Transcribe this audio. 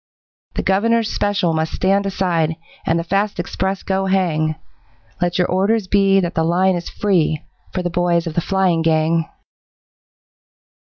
The Governor's special must stand aside, And the fast express go hang, Let your orders be that the line is free For the boys of the flying gang.